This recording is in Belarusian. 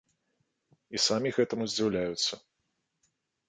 І самі гэтаму здзіўляюцца.